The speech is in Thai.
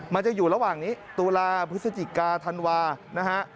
มันจะอยู่ระหว่างนี้ตุลาพฤศจิกาธันวานะฮะ